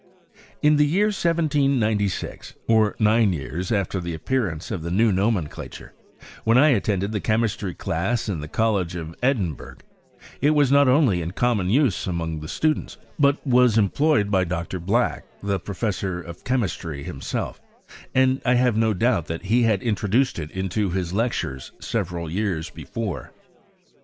In the year 1796, or nine years after the appearance of the new nomenclature, when I attended the chemistry class in the College of Edin burgh, it was not only in common use among the students, but was employed by Dr. Black, the pro fessor of chemistry, himself; and I have no doubt that he had introduced it into his lectures several years before.